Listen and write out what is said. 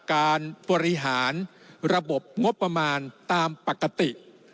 การบริหารระบบงบประมาณตามปกติ